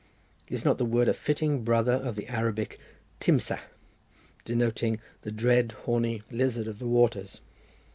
Is not the word a fitting brother of the Arabic timsah, denoting the dread horny lizard of the waters?